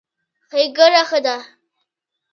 ښېګړه ښه ده.